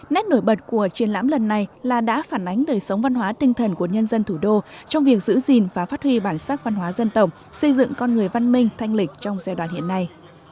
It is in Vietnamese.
nét nổi bật của triển lãm lần này là đã phản ánh đời sống văn hóa tinh thần của nhân dân thủ đô trong việc giữ gìn và phát huy bản sắc văn hóa dân tổng xây dựng con người văn minh thanh lịch trong giai đoạn hiện nay